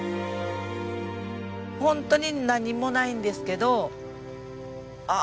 ホントに何もないんですけどあ